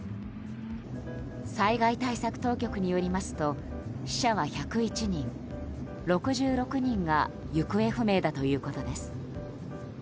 災害対策当局によりますと死者は１０１人、６６人が行方不明だということです。